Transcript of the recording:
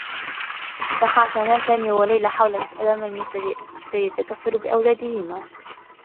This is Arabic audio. تخاصما سامي و ليلى حول مسألة من سيتكفّل بأولادهما.